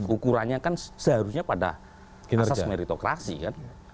ukurannya kan seharusnya pada asas meritokrasi kan